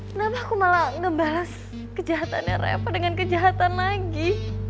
kenapa aku malah ngebalas kejahatannya reva dengan kejahatan lagi